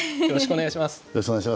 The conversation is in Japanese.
よろしくお願いします。